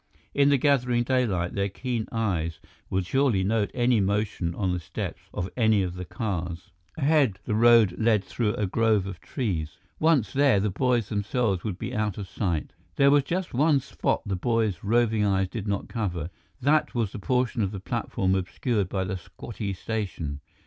In the gathering daylight, their keen eyes would surely note any motion on the steps of any of the cars. Ahead, the road led through a grove of trees. Once there, the boys themselves would be out of sight. There was just one spot the boys' roving eyes did not cover; that was the portion of the platform obscured by the squatty station.